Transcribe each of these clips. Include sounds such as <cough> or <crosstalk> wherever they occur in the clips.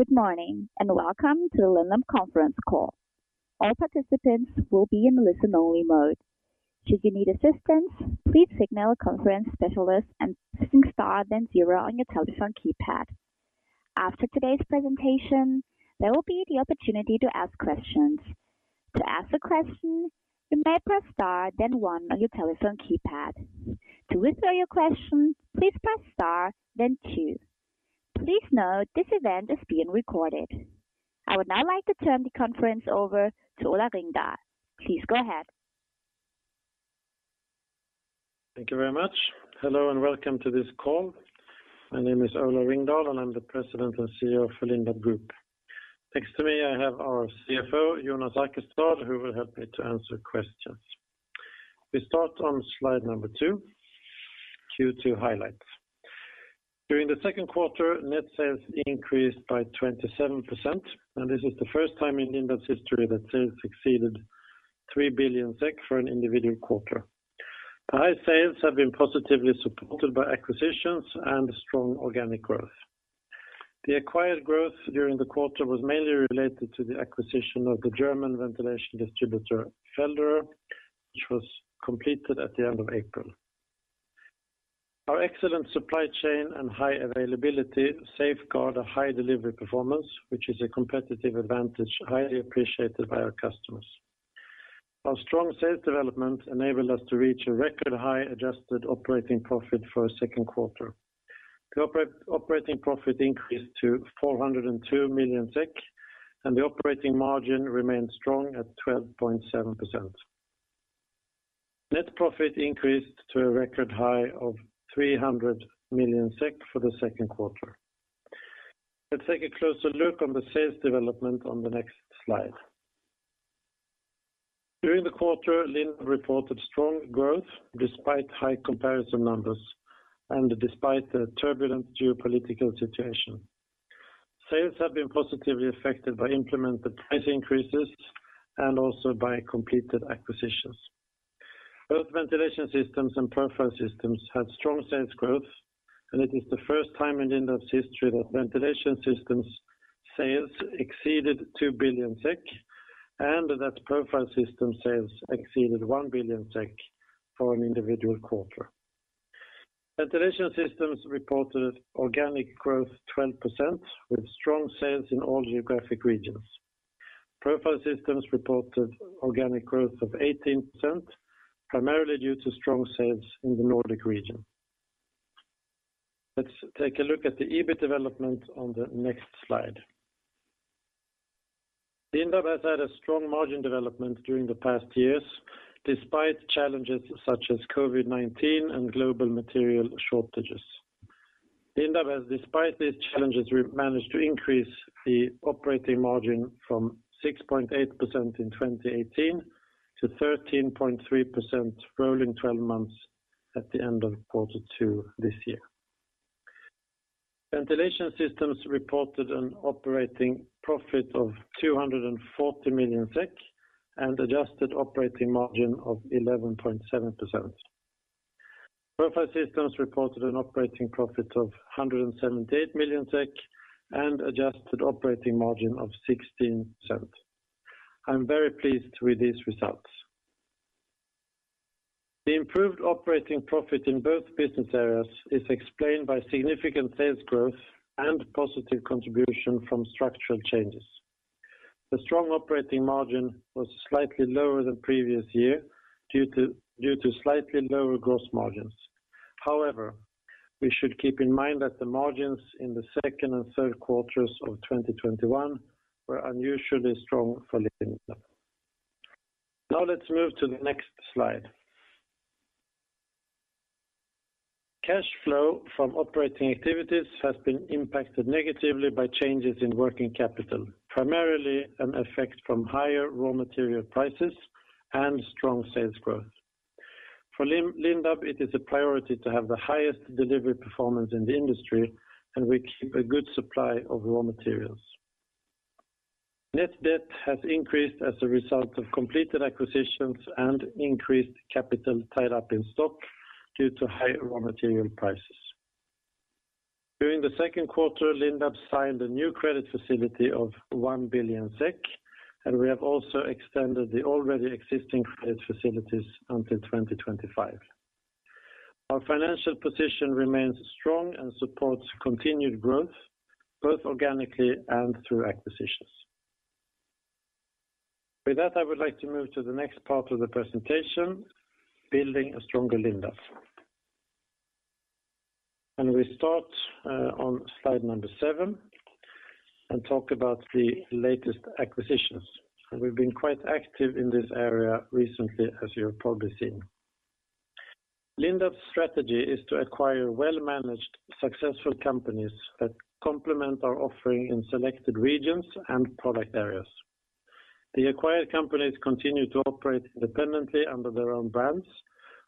Good morning, and welcome to the Lindab Conference Call. All participants will be in listen-only mode. Should you need assistance, please signal a conference specialist by pressing star then zero on your telephone keypad. After today's presentation, there will be the opportunity to ask questions. To ask a question, you may press star then one on your telephone keypad. To withdraw your question, please press star then two. Please note this event is being recorded. I would now like to turn the conference over to Ola Ringdahl. Please go ahead. Thank you very much. Hello, and welcome to this call. My name is Ola Ringdahl, and I'm the President and CEO of Lindab Group. Next to me, I have our CFO, Jonas Arkestad, who will help me to answer questions. We start on slide number two, second quarter highlights. During the second quarter, net sales increased by 27%, and this is the first time in Lindab's history that sales exceeded 3 billion SEK for an individual quarter. High sales have been positively supported by acquisitions and strong organic growth. The acquired growth during the quarter was mainly related to the acquisition of the German ventilation distributor Felderer, which was completed at the end of April. Our excellent supply chain and high availability safeguard a high delivery performance, which is a competitive advantage, highly appreciated by our customers. Our strong sales development enabled us to reach a record high adjusted operating profit for a second quarter. The operating profit increased to 402 million SEK, and the operating margin remained strong at 12.7%. Net profit increased to a record high of 300 million SEK for the second quarter. Let's take a closer look on the sales development on the next slide. During the quarter, Lindab reported strong growth despite high comparison numbers and despite the turbulent geopolitical situation. Sales have been positively affected by implemented price increases and also by completed acquisitions. Both Ventilation Systems and Profile Systems had strong sales growth, and it is the first time in Lindab's history that Ventilation Systems sales exceeded 2 billion SEK and that Profile Systems sales exceeded 1 billion SEK for an individual quarter. Ventilation Systems reported organic growth 12% with strong sales in all geographic regions. Profile Systems reported organic growth of 18%, primarily due to strong sales in the Nordic region. Let's take a look at the EBIT development on the next slide. Lindab has had a strong margin development during the past years, despite challenges such as COVID-19 and global material shortages. Lindab has, despite these challenges, we've managed to increase the operating margin from 6.8% in 2018 to 13.3% rolling 12 months at the end of quarter two this year. Ventilation Systems reported an operating profit of 240 million SEK and adjusted operating margin of 11.7%. Profile Systems reported an operating profit of 178 million SEK and adjusted operating margin of 16%. I'm very pleased with these results. The improved operating profit in both business areas is explained by significant sales growth and positive contribution from structural changes. The strong operating margin was slightly lower than previous year due to slightly lower gross margins. However, we should keep in mind that the margins in the second and third quarters of 2021 were unusually strong for Lindab. Now let's move to the next slide. Cash flow from operating activities has been impacted negatively by changes in working capital, primarily an effect from higher raw material prices and strong sales growth. For Lindab, it is a priority to have the highest delivery performance in the industry, and we keep a good supply of raw materials. Net debt has increased as a result of completed acquisitions and increased capital tied up in stock due to high raw material prices. During the second quarter, Lindab signed a new credit facility of 1 billion SEK, and we have also extended the already existing credit facilities until 2025. Our financial position remains strong and supports continued growth, both organically and through acquisitions. With that, I would like to move to the next part of the presentation, building a stronger Lindab. We start on slide number seven and talk about the latest acquisitions. We've been quite active in this area recently, as you have probably seen. Lindab's strategy is to acquire well-managed successful companies that complement our offering in selected regions and product areas. The acquired companies continue to operate independently under their own brands,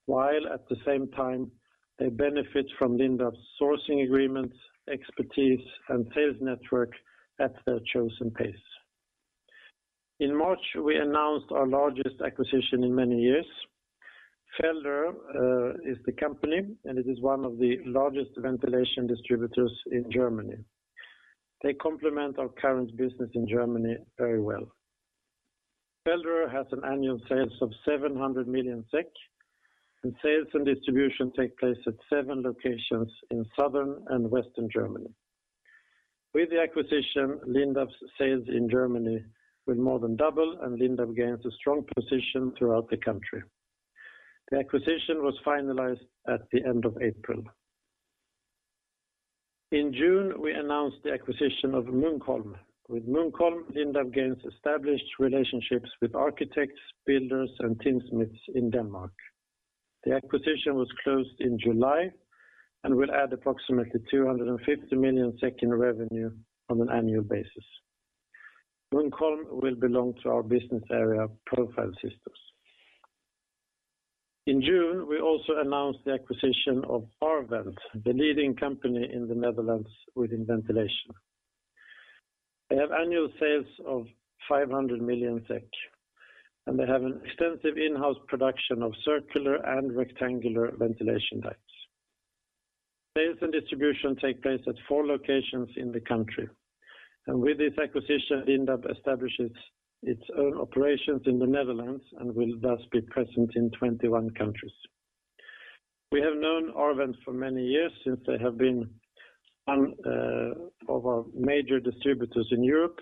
while at the same time, they benefit from Lindab's sourcing agreements, expertise, and sales network at their chosen pace. In March, we announced our largest acquisition in many years. Felderer is the company, and it is one of the largest ventilation distributors in Germany. They complement our current business in Germany very well. Felderer has annual sales of 700 million SEK, and sales and distribution take place at seven locations in Southern and Western Germany. With the acquisition, Lindab's sales in Germany will more than double, and Lindab gains a strong position throughout the country. The acquisition was finalized at the end of April. In June, we announced the acquisition of Muncholm. With Muncholm, Lindab gains established relationships with architects, builders, and tinsmiths in Denmark. The acquisition was closed in July and will add approximately 250 million in revenue on an annual basis. Muncholm will belong to our business area, Profile Systems. In June, we also announced the acquisition of R-Vent, the leading company in the Netherlands within ventilation. They have annual sales of 500 million SEK, and they have an extensive in-house production of circular and rectangular ventilation ducts. Sales and distribution take place at four locations in the country. With this acquisition, Lindab establishes its own operations in the Netherlands and will thus be present in 21 countries. We have known R-Vent for many years since they have been one of our major distributors in Europe,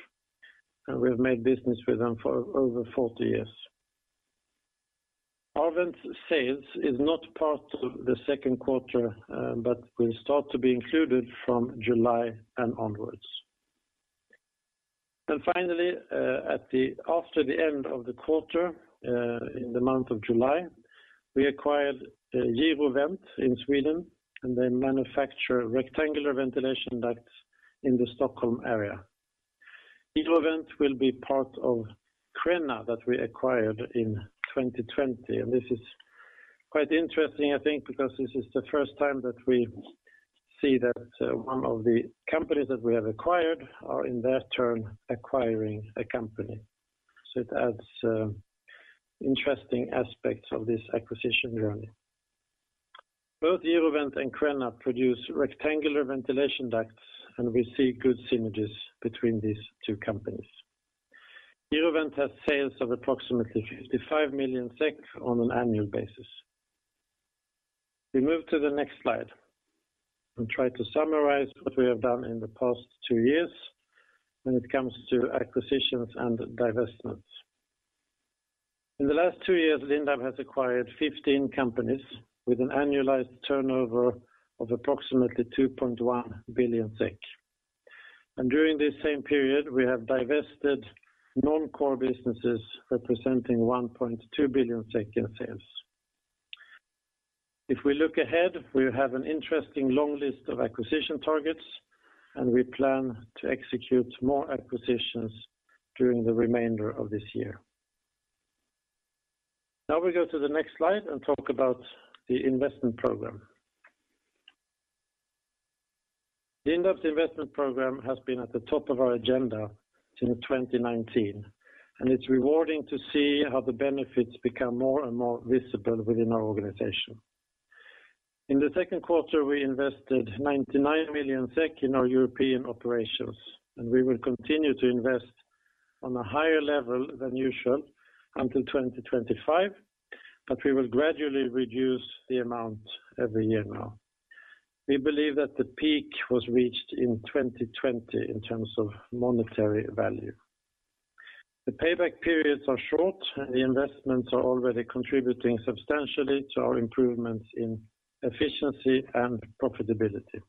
and we have made business with them for over 40 years. R-Vent's sales is not part of the second quarter, but will start to be included from July and onwards. Finally, after the end of the quarter, in the month of July, we acquired Eurovent in Sweden, and they manufacture rectangular ventilation ducts in the Stockholm area. Eurovent will be part of Crenna that we acquired in 2020. This is quite interesting, I think, because this is the first time that we see that one of the companies that we have acquired are in their turn acquiring a company. It adds interesting aspects of this acquisition journey. Both Eurovent and Crenna produce rectangular ventilation ducts, and we see good synergies between these two companies. Eurovent has sales of approximately 55 million SEK on an annual basis. We move to the next slide and try to summarize what we have done in the past two years when it comes to acquisitions and divestments. In the last two years, Lindab has acquired 15 companies with an annualized turnover of approximately 2.1 billion SEK. During this same period, we have divested non-core businesses representing 1.2 billion in sales. If we look ahead, we have an interesting long list of acquisition targets, and we plan to execute more acquisitions during the remainder of this year. Now we go to the next slide and talk about the investment program. Lindab's investment program has been at the top of our agenda since 2019, and it's rewarding to see how the benefits become more and more visible within our organization. In the second quarter, we invested 99 million SEK in our European operations, and we will continue to invest on a higher level than usual until 2025, but we will gradually reduce the amount every year now. We believe that the peak was reached in 2020 in terms of monetary value. The payback periods are short. The investments are already contributing substantially to our improvements in efficiency and profitability.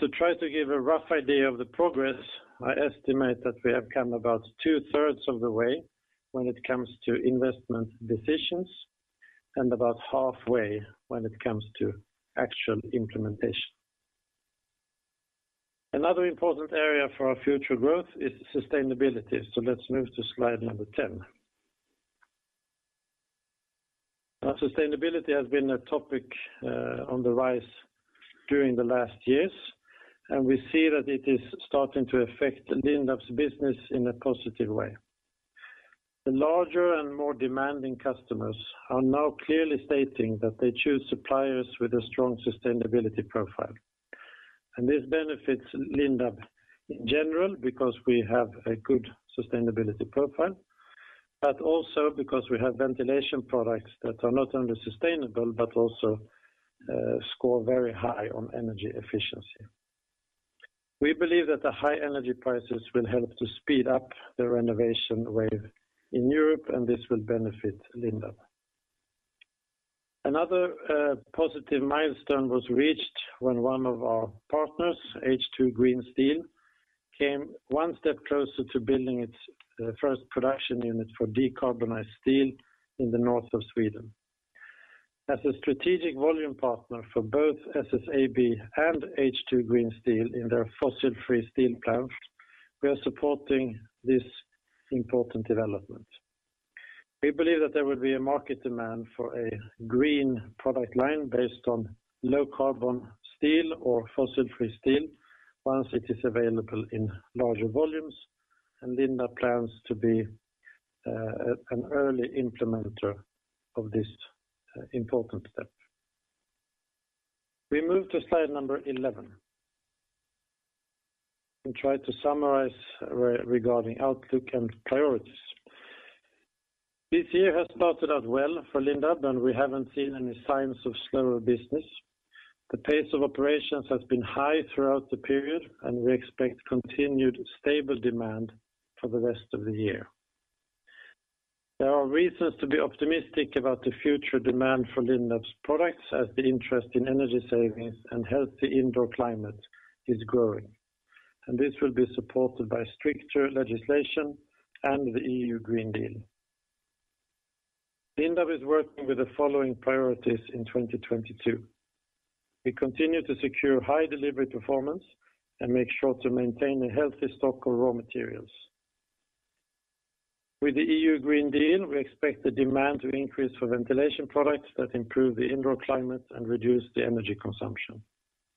To try to give a rough idea of the progress, I estimate that we have come about two-thirds of the way when it comes to investment decisions and about halfway when it comes to actual implementation. Another important area for our future growth is sustainability. Let's move to slide number 10. Sustainability has been a topic on the rise during the last years, and we see that it is starting to affect Lindab's business in a positive way. The larger and more demanding customers are now clearly stating that they choose suppliers with a strong sustainability profile. This benefits Lindab in general because we have a good sustainability profile, but also because we have ventilation products that are not only sustainable, but also score very high on energy efficiency. We believe that the high energy prices will help to speed up the renovation wave in Europe, and this will benefit Lindab. Another positive milestone was reached when one of our partners, H2 Green Steel, came one step closer to building its first production unit for decarbonized steel in the north of Sweden. As a strategic volume partner for both SSAB and H2 Green Steel in their fossil-free steel plant, we are supporting this important development. We believe that there will be a market demand for a green product line based on low carbon steel or fossil-free steel once it is available in larger volumes, and Lindab plans to be an early implementer of this important step. We move to slide number 11. Try to summarize regarding outlook and priorities. This year has started out well for Lindab, and we haven't seen any signs of slower business. The pace of operations has been high throughout the period, and we expect continued stable demand for the rest of the year. There are reasons to be optimistic about the future demand for Lindab's products as the interest in energy savings and healthy indoor climate is growing, and this will be supported by stricter legislation and the European Green Deal. Lindab is working with the following priorities in 2022. We continue to secure high delivery performance and make sure to maintain a healthy stock of raw materials. With the European Green Deal, we expect the demand to increase for ventilation products that improve the indoor climate and reduce the energy consumption.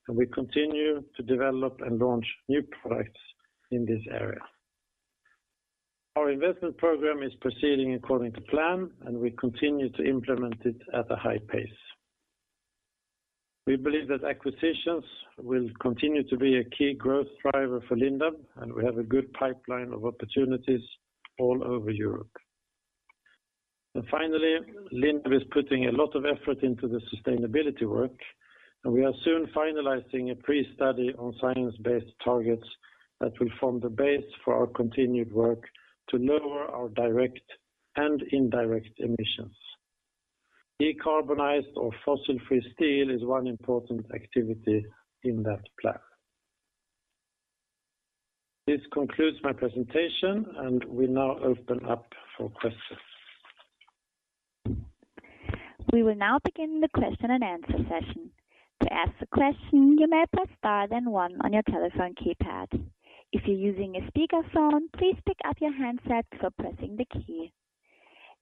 We continue to develop and launch new products in this area. Our investment program is proceeding according to plan, and we continue to implement it at a high pace. We believe that acquisitions will continue to be a key growth driver for Lindab, and we have a good pipeline of opportunities all over Europe. Finally, Lindab is putting a lot of effort into the sustainability work, and we are soon finalizing a pre-study on science-based targets that will form the base for our continued work to lower our direct and indirect emissions. Decarbonized or fossil-free steel is one important activity in that plan. This concludes my presentation, and we now open up for questions. We will now begin the question and answer session. To ask a question, you may press star then one on your telephone keypad. If you're using a speakerphone, please pick up your handset before pressing the key.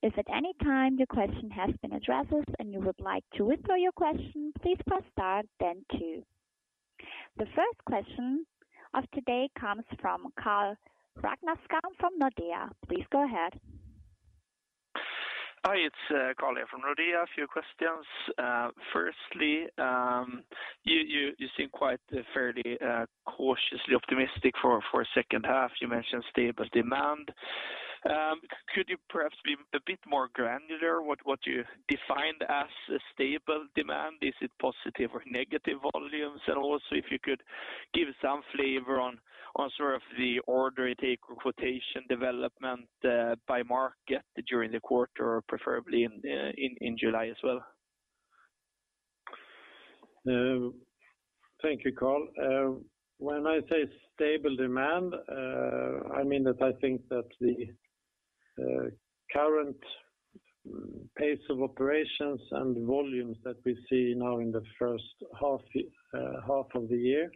If at any time your question has been addressed and you would like to withdraw your question, please press star then two. The first question of today comes from Carl Ragnerstam from Nordea. Please go ahead. Hi, it's Carl here from Nordea. A few questions. Firstly, you seem quite fairly cautiously optimistic for second half. You mentioned stable demand. Could you perhaps be a bit more granular what you defined as a stable demand? Is it positive or negative volumes? And also if you could give some flavor on sort of the order intake or quotation development by market during the quarter, preferably in July as well. Thank you, Carl. When I say stable demand, I mean that I think that the current pace of operations and volumes that we see now in the first half of the year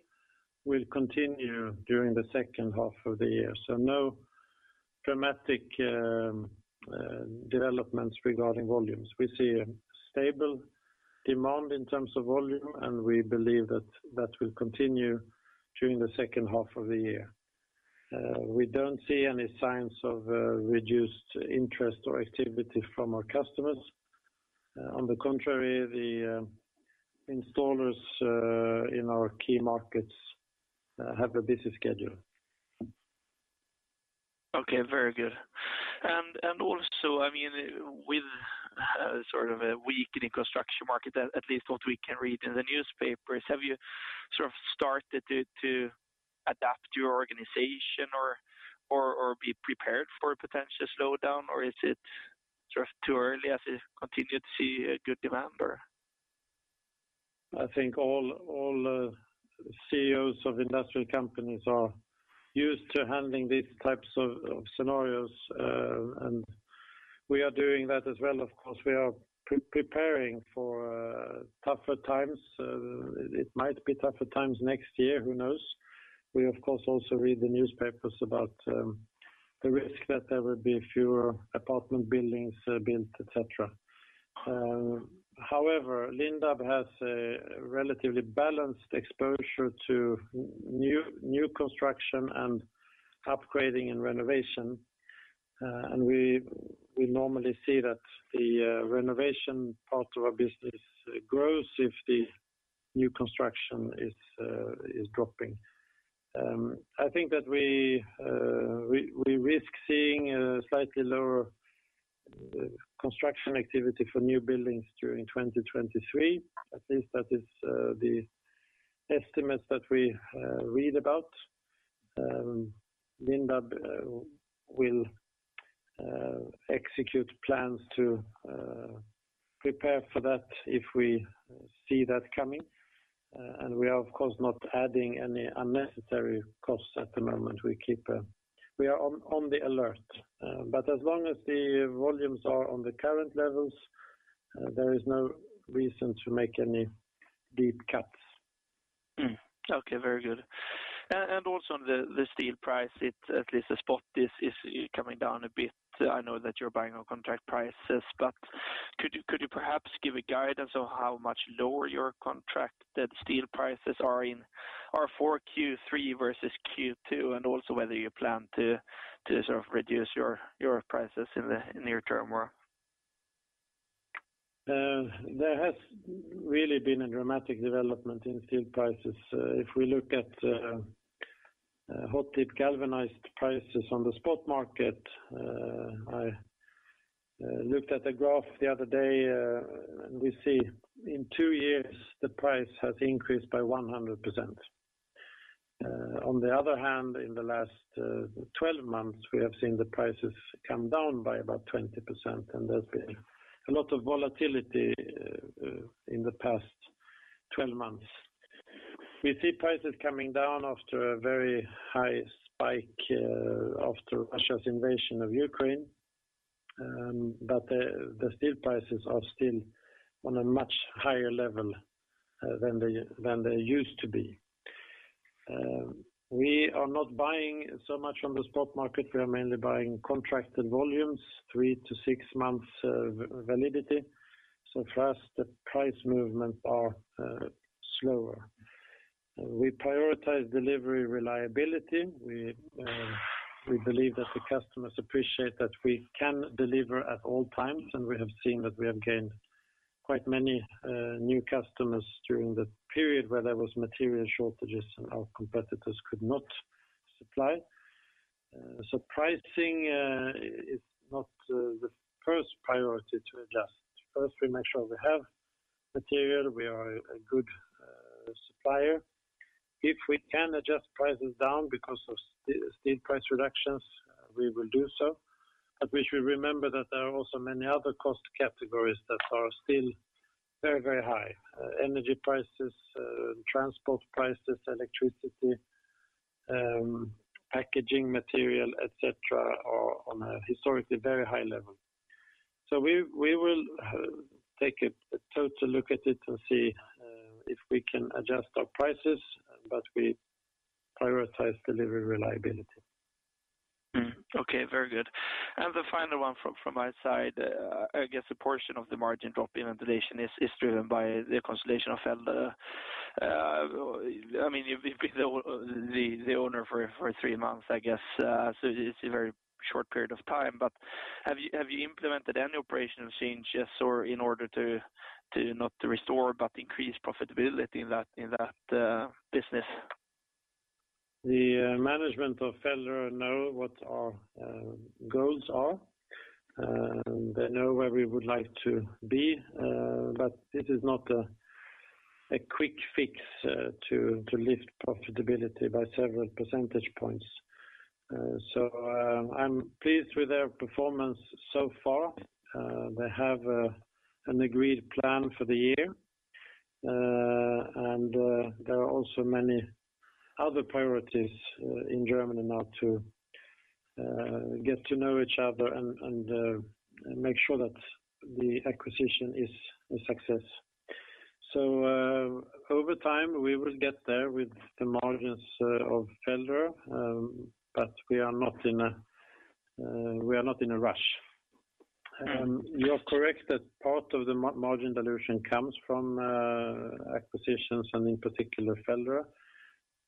will continue during the second half of the year. No dramatic developments regarding volumes. We see a stable demand in terms of volume, and we believe that that will continue during the second half of the year. We don't see any signs of reduced interest or activity from our customers. On the contrary, the installers in our key markets have a busy schedule. Okay, very good. Also, I mean, with sort of a weakening construction market, at least what we can read in the newspapers, have you sort of started to adapt your organization or be prepared for a potential slowdown, or is it sort of too early as you continue to see a good demand or? I think all CEOs of industrial companies are used to handling these types of scenarios, and we are doing that as well, of course. We are preparing for tougher times. It might be tougher times next year, who knows? We of course also read the newspapers about the risk that there will be fewer apartment buildings built, et cetera. However, Lindab has a relatively balanced exposure to new construction and upgrading and renovation, and we normally see that the renovation part of our business grows if the new construction is dropping. I think that we risk seeing a slightly lower construction activity for new buildings during 2023. At least that is the estimates that we read about. Lindab will execute plans to prepare for that if we see that coming. We are of course not adding any unnecessary costs at the moment. We are on the alert. As long as the volumes are on the current levels, there is no reason to make any deep cuts. Okay, very good. Also on the steel price, at least the spot is coming down a bit. I know that you're buying on contract prices, but could you perhaps give a guidance on how much lower your contracted steel prices are for third quarter versus second quarter, and also whether you plan to sort of reduce your prices in the near term or? There has really been a dramatic development in steel prices. If we look at hot-dip galvanized prices on the spot market, I looked at a graph the other day, and we see in two years the price has increased by 100%. On the other hand, in the last 12 months, we have seen the prices come down by about 20%, and there's been a lot of volatility in the past 12 months. We see prices coming down after a very high spike after Russia's invasion of Ukraine, but the steel prices are still on a much higher level than they used to be. We are not buying so much on the spot market. We are mainly buying contracted volumes, three to six months validity. For us, the price movements are slower. We prioritize delivery reliability. We believe that the customers appreciate that we can deliver at all times, and we have seen that we have gained quite many new customers during the period where there was material shortages and our competitors could not supply. Pricing is not the first priority to adjust. First, we make sure we have material. We are a good supplier. If we can adjust prices down because of steel price reductions, we will do so. But we should remember that there are also many other cost categories that are still very, very high. Energy prices, transport prices, electricity, packaging material, et cetera, are on a historically very high level. We will take a total look at it and see if we can adjust our prices, but we prioritize delivery reliability. Okay, very good. The final one from my side, I guess a portion of the margin drop in ventilation is driven by the consolidation of Felderer. I mean, you've been the owner for three months, I guess. So it's a very short period of time. But have you implemented any operational changes or in order to not restore, but increase profitability in that business? The management of Felderer know what our goals are, and they know where we would like to be, but this is not a quick fix to lift profitability by several percentage points. I'm pleased with their performance so far. They have an agreed plan for the year, and there are also many other priorities in Germany now to get to know each other and make sure that the acquisition is a success. Over time, we will get there with the margins of Felderer, but we are not in a rush. You're correct that part of the margin dilution comes from acquisitions and in particular Felderer,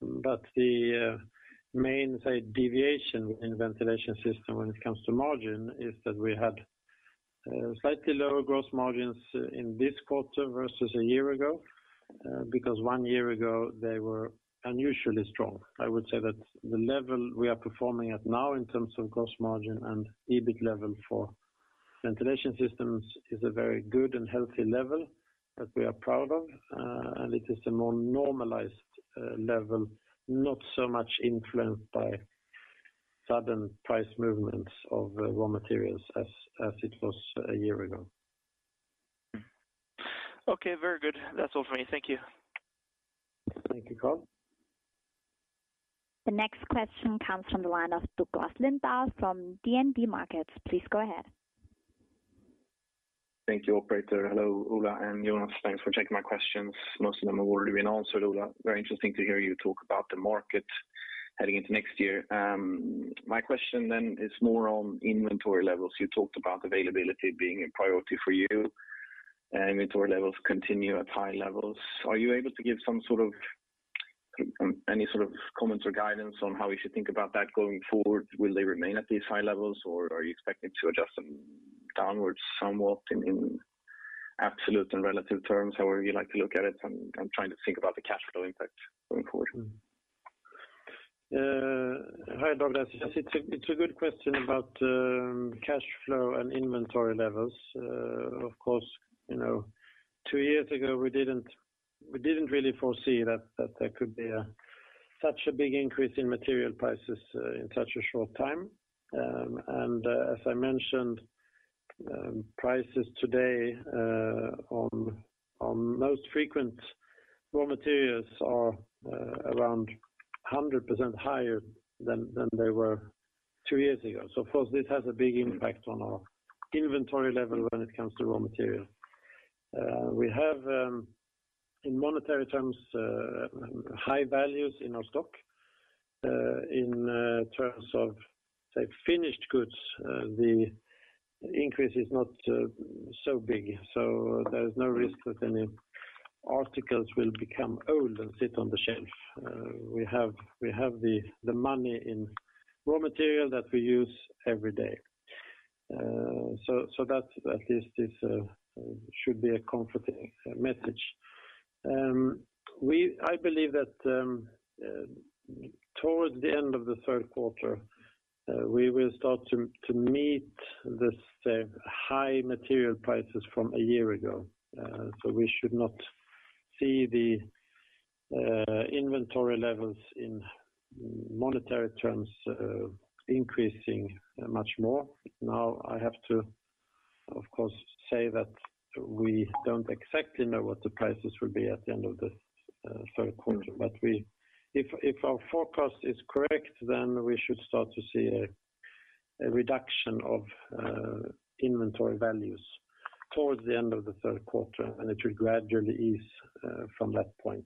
but the main, say, deviation in Ventilation Systems when it comes to margin is that we had slightly lower gross margins in this quarter versus a year ago, because one year ago, they were unusually strong. I would say that the level we are performing at now in terms of gross margin and EBIT level for Ventilation Systems is a very good and healthy level that we are proud of, and it is a more normalized level, not so much influenced by sudden price movements of raw materials as it was a year ago. Okay, very good. That's all for me. Thank you. Thank you, Carl. The next question comes from the line of Douglas Lindahl from DNB Markets. Please go ahead. Thank you, operator. Hello, Ola and Jonas. Thanks for taking my questions. Most of them have already been answered, Ola. Very interesting to hear you talk about the market heading into next year. My question then is more on inventory levels. You talked about availability being a priority for you, and inventory levels continue at high levels. Are you able to give some sort of comments or guidance on how we should think about that going forward? Will they remain at these high levels, or are you expecting to adjust them downwards somewhat in absolute and relative terms, however you like to look at it? I'm trying to think about the cash flow impact going forward. Hi Douglas. Yes, it's a good question about cash flow and inventory levels. Of course, you know, two years ago, we didn't really foresee that there could be such a big increase in material prices in such a short time. As I mentioned, prices today on most frequent raw materials are around 100% higher than they were two years ago. Of course, this has a big impact on our inventory level when it comes to raw material. We have, in monetary terms, high values in our stock in terms of, say, finished goods. The increase is not so big, so there's no risk that any articles will become old and sit on the shelf. We have the money in raw material that we use every day. That's at least this should be a comforting message. I believe that towards the end of the third quarter we will start to meet this high material prices from a year ago. We should not see the inventory levels in monetary terms increasing much more. Now, I have to, of course, say that we don't exactly know what the prices will be at the end of the third quarter. If our forecast is correct, then we should start to see a reduction of inventory values towards the end of the third quarter, and it will gradually ease from that point.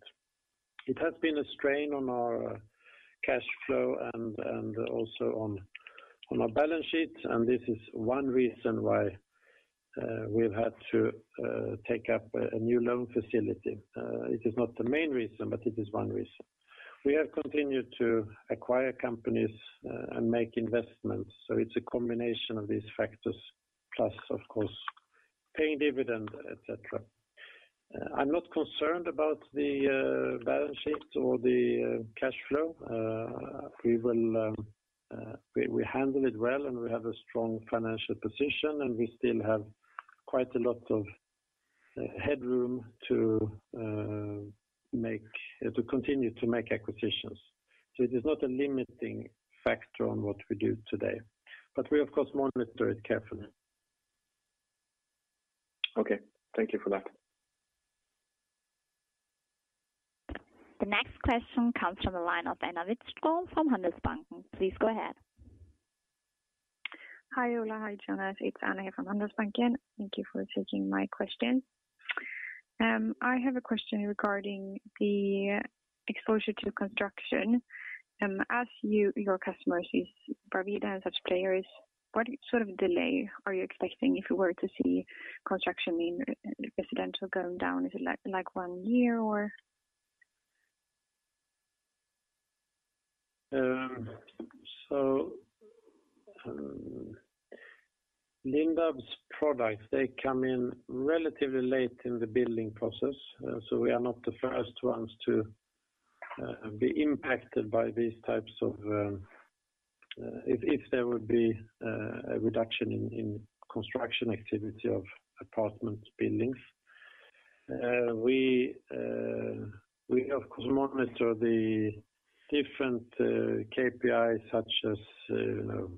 It has been a strain on our cash flow and also on our balance sheet, and this is one reason why we've had to take up a new loan facility. It is not the main reason, but it is one reason. We have continued to acquire companies and make investments, so it's a combination of these factors, plus, of course, paying dividend, et cetera. I'm not concerned about the balance sheet or the cash flow. We handle it well, and we have a strong financial position, and we still have quite a lot of headroom to continue to make acquisitions. It is not a limiting factor on what we do today, but we of course monitor it carefully. Okay, thank you for that. The next question comes from the line of Anna Wiström from Handelsbanken. Please go ahead. Hi, Ola. Hi, Jonas. It's Anna here from Handelsbanken. Thank you for taking my question. I have a question regarding the exposure to construction. As your customers is Bravida and such players, what sort of delay are you expecting if you were to see construction in residential going down? Is it like one year or? Lindab's products, they come in relatively late in the building process. We are not the first ones to be impacted by these types of if there would be a reduction in construction activity of apartment buildings. We of course monitor the different KPIs such as, you know,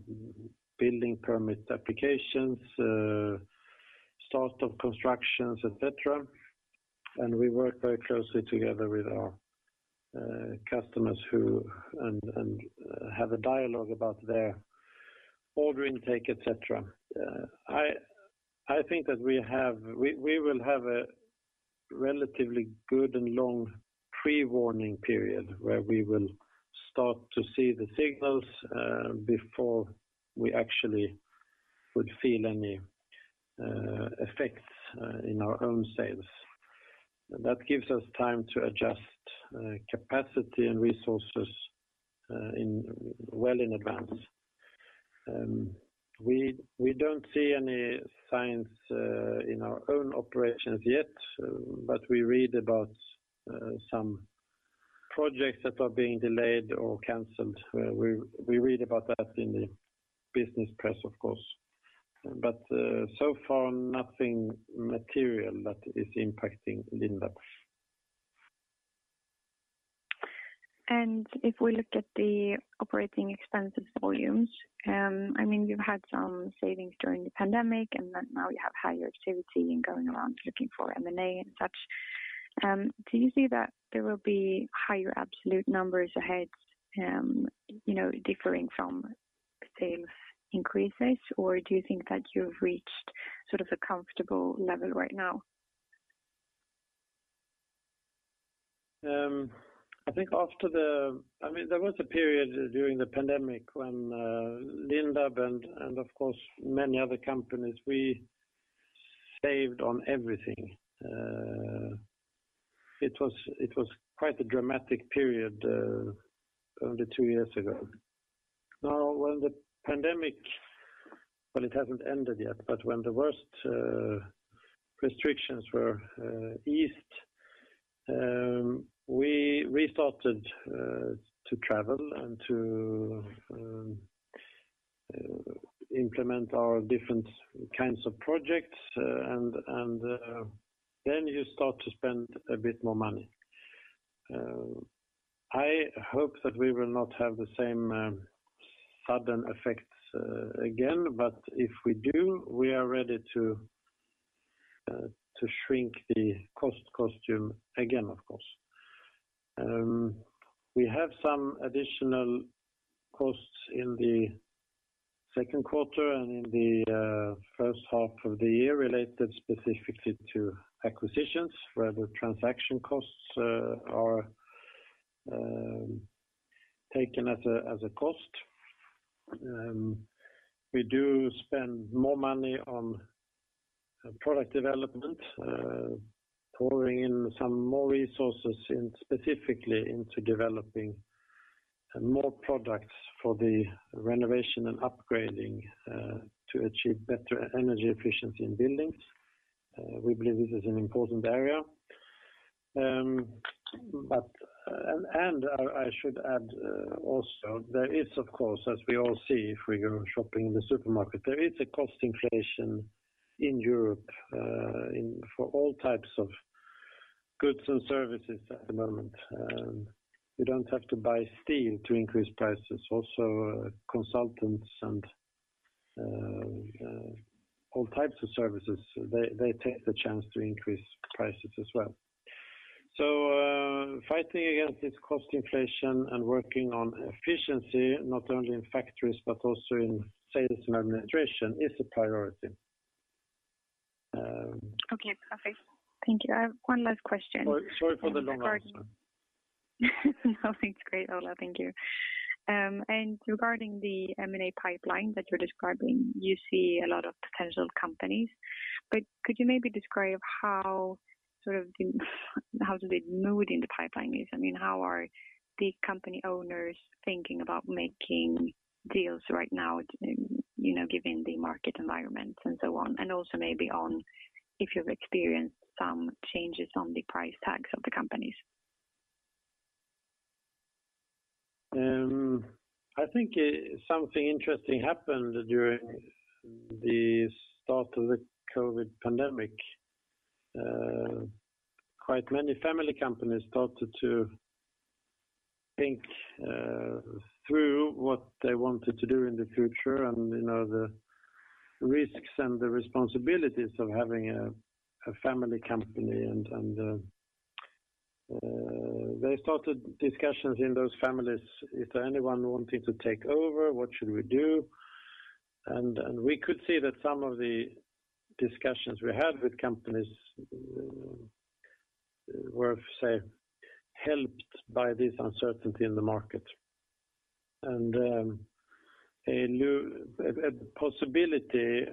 building permit applications, start of constructions, et cetera. We work very closely together with our customers and have a dialogue about their order intake, et cetera. I think that we will have a relatively good and long pre-warning period where we will start to see the signals before we actually would feel any effects in our own sales. That gives us time to adjust capacity and resources well in advance. We don't see any signs in our own operations yet, but we read about some projects that are being delayed or canceled. We read about that in the business press, of course. So far nothing material that is impacting Lindab. If we look at the operating expenses volumes, I mean, you've had some savings during the pandemic, and then now you have higher activity and going around looking for M&A and such. Do you see that there will be higher absolute numbers ahead, you know, differing from sales increases? Or do you think that you've reached sort of a comfortable level right now? There was a period during the pandemic when Lindab and of course many other companies, we saved on everything. It was quite a dramatic period only two years ago. Now, when the pandemic, well, it hasn't ended yet, but when the worst restrictions were eased, we restarted to travel and to implement our different kinds of projects, and then you start to spend a bit more money. I hope that we will not have the same sudden effects again, but if we do, we are ready to shrink the cost structure again, of course. We have some additional costs in the second quarter and in the first half of the year related specifically to acquisitions where the transaction costs are taken as a cost. We do spend more money on product development, pouring in some more resources specifically into developing more products for the renovation and upgrading to achieve better energy efficiency in buildings. We believe this is an important area. I should add, also there is, of course, as we all see if we go shopping in the supermarket, there is a cost inflation in Europe for all types of goods and services at the moment. You don't have to buy steel to increase prices. Also, consultants and all types of services, they take the chance to increase prices as well. Fighting against this cost inflation and working on efficiency not only in factories but also in sales and administration is a priority. Okay, perfect. Thank you. I have one last question regarding... <crosstalk> Sorry for the long answer. No, it's great, Ola. Thank you. Regarding the M&A pipeline that you're describing, you see a lot of potential companies. Could you maybe describe how the mood in the pipeline is? I mean, how are the company owners thinking about making deals right now, you know, given the market environment and so on? Also maybe on if you've experienced some changes on the price tags of the companies. I think something interesting happened during the start of the COVID-19 pandemic. Quite many family companies started to think through what they wanted to do in the future and, you know, the risks and the responsibilities of having a family company. They started discussions in those families. Is there anyone wanting to take over? What should we do? We could see that some of the discussions we had with companies were, say, helped by this uncertainty in the market. A possibility,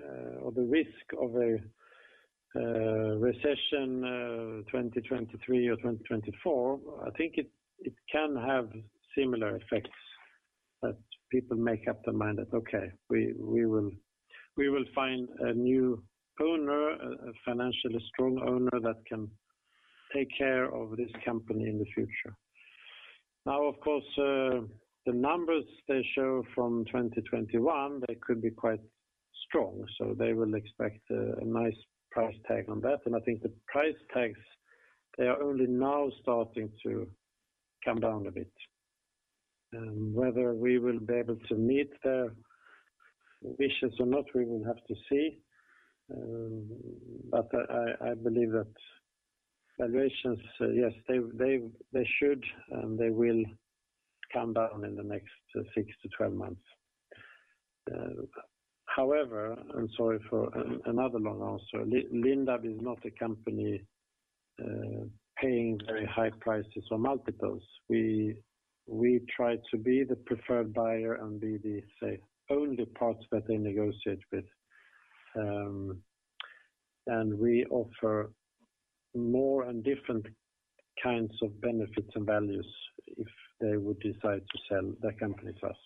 or the risk of a recession, 2023 or 2024, I think it can have similar effects that people make up their mind that, "Okay, we will find a new owner, a financially strong owner that can take care of this company in the future." Now, of course, the numbers they show from 2021, they could be quite strong, so they will expect a nice price tag on that. I think the price tags, they are only now starting to come down a bit. Whether we will be able to meet their wishes or not, we will have to see. I believe that valuations, yes, they should and they will come down in the next six to 12 months. However, I'm sorry for another long answer. Lindab is not a company paying very high prices or multiples. We try to be the preferred buyer and be the, say, only party that they negotiate with. We offer more and different kinds of benefits and values if they would decide to sell their company to us.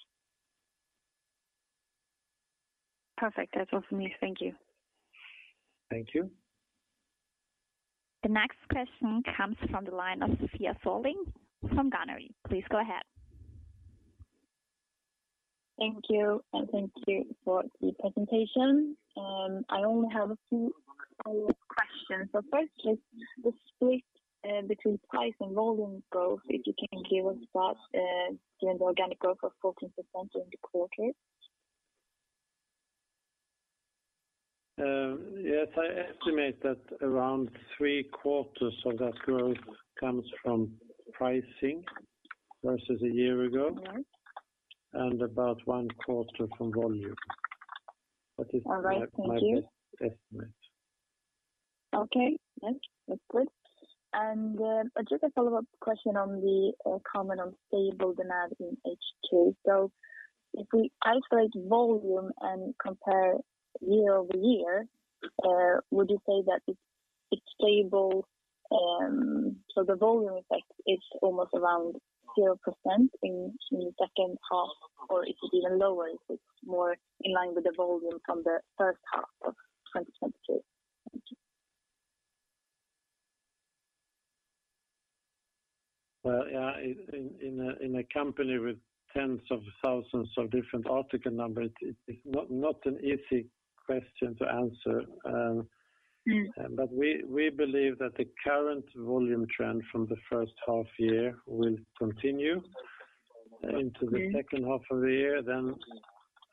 Perfect. That's all from me. Thank you. Thank you. The next question comes from the line of Sofia Sörling from Carnegie. Please go ahead. Thank you, and thank you for the presentation. I only have a few quick questions. Firstly, the split between price and volume growth, if you can give us that, given the organic growth of 14% during the quarter? Yes, I estimate that around three quarters of that growth comes from pricing versus a year ago. All right. About one quarter from volume. All right. Thank you. That is my best estimate. Okay. Yes, that's good. Just a follow-up question on the comment on stable demand in second half. If we isolate volume and compare year-over-year, would you say that it's stable, so the volume effect is almost around 0% in the second half, or is it even lower if it's more in line with the volume from the first half of 2022? Thank you. Yeah, in a company with tens of thousands of different article numbers, it's not an easy question to answer. But we believe that the current volume trend from the first half year will continue into the second half of the year.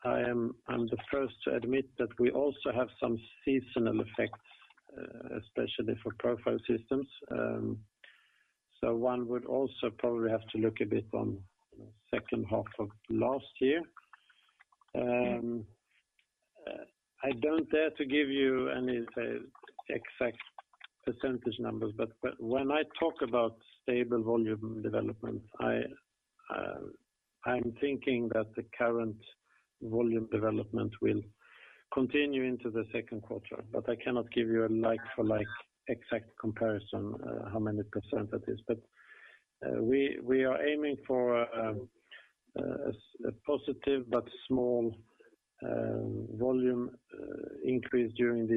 I'm the first to admit that we also have some seasonal effects, especially for Profile Systems. One would also probably have to look a bit on second half of last year. I don't dare to give you any, say, exact percentage numbers, but when I talk about stable volume development, I'm thinking that the current volume development will continue into the second quarter. I cannot give you a like for like exact comparison, how many percent that is. We are aiming for a positive but small volume increase during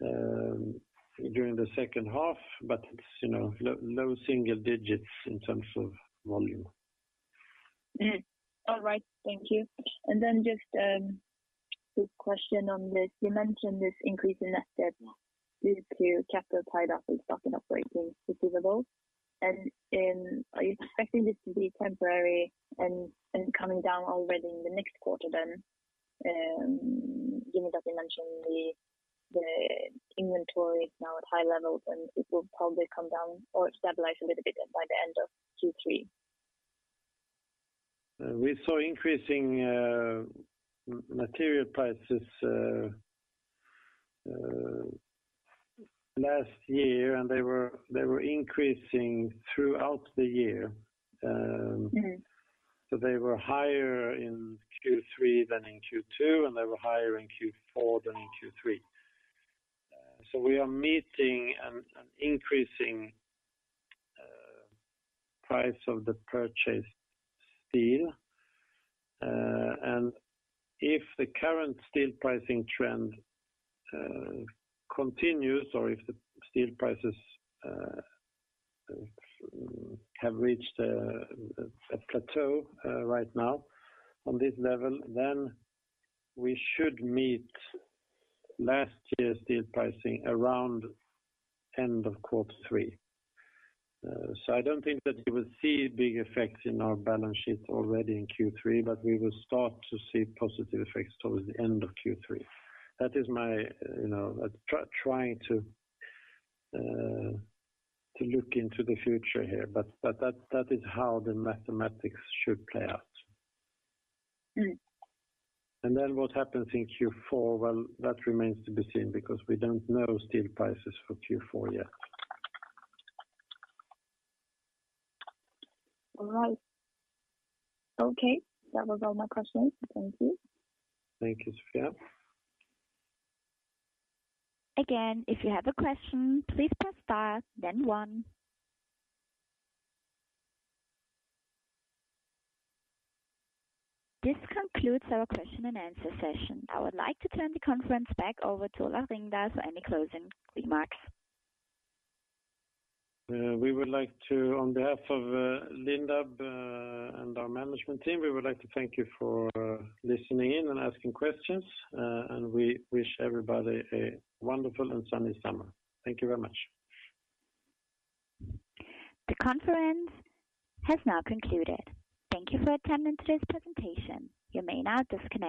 the second half. It's, you know, low single digits in terms of volume. All right. Thank you. Then just quick question on this. You mentioned this increase in net debt due to capital tied up in stock and operating receivables. Are you expecting this to be temporary and coming down already in the next quarter then? Given that you mentioned the inventory is now at high levels and it will probably come down or stabilize a little bit by the end of third quarter. We saw increasing material prices last year, and they were increasing throughout the year. Mm-hmm. They were higher in third quarter than in second quarter, and they were higher in fourth quarter than in third quarter. We are meeting an increasing price of the purchased steel. And if the current steel pricing trend continues, or if the steel prices have reached a plateau right now on this level, then we should meet last year's steel pricing around end of quarter three. I don't think that you will see big effects in our balance sheet already in third quarter, but we will start to see positive effects towards the end of third quarter. That is my, you know, trying to look into the future here, but that is how the mathematics should play out. Mm-hmm. What happens in fourth quarter? Well, that remains to be seen because we don't know steel prices for fourth quarter yet. All right. Okay. That was all my questions. Thank you. Thank you, Sofia. Again, if you have a question, please press star then one. This concludes our question-and-answer session. I would like to turn the conference back over to Ola Ringdahl for any closing remarks. We would like to, on behalf of Lindab and our management team, we would like to thank you for listening in and asking questions. We wish everybody a wonderful and sunny summer. Thank you very much. The conference has now concluded. Thank you for attending today's presentation. You may now disconnect.